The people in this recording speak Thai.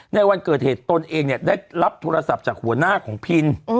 ในวันเกิดเหตุตนเองเนี่ยได้รับโทรศัพท์จากหัวหน้าของพิน